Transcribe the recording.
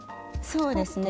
そうですね。